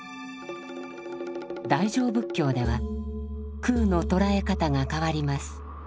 大乗仏教では空の捉え方が変わります。